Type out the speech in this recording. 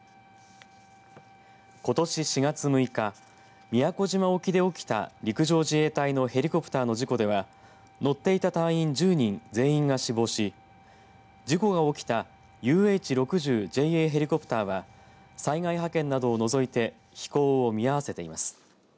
ことし４月６日宮古島沖で起きた陸上自衛隊のヘリコプターの事故では乗っていた隊員１０人全員が死亡し事故が起きたＵＨ６０ＪＡヘリコプターは災害派遣などを除いて飛行を見合わせています。